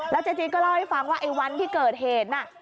เจ๊จี๊ดก็เล่าให้ฟังว่าไอ้วันที่เกิดเหตุน่ะ